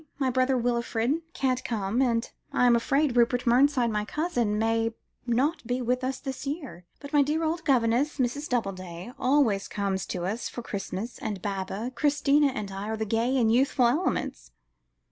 My brother Wilfred can't come, and I am afraid Rupert Mernside, my cousin, may not be with us this year; but my dear old governess, Miss Doubleday, always comes to us for Christmas, and Baba, Christina, and I are the gay and youthful elements.